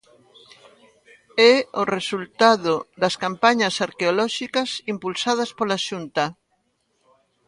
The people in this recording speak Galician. É o resultado das campañas arqueolóxicas impulsadas pola Xunta.